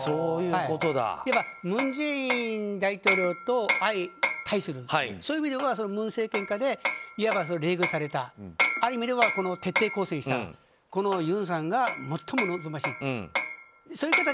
文在寅大統領と相対するそういう意味では文政権下でいわば冷遇されたある意味では徹底抗戦したユンさんが最も望ましいという。